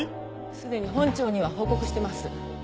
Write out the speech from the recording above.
すでに本庁には報告してます。